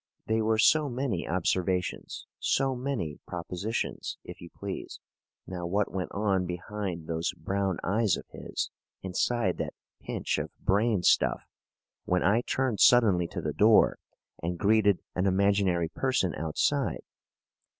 They were so many observations so many propositions, if you please. Now, what went on behind those brown eyes of his, inside that pinch of brain stuff, when I turned suddenly to the door and greeted an imaginary person outside?